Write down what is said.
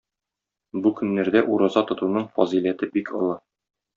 Бу көннәрдә ураза тотуның фазыйләте бик олы.